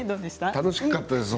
楽しかったです。